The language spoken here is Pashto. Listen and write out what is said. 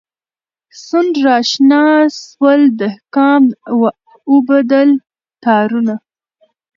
سونډ راشنه سول دهقان و اوبدل تارونه